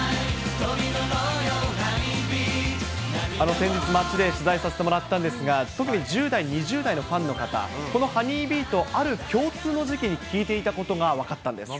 先日、街で取材させてもらったんですが、特に１０代、２０代のファンの方、このＨＯＮＥＹＢＥＡＴ、ある共通の時期に聴いていたことが分かったんです。